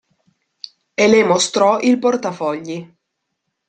E le mostrò il portafogli.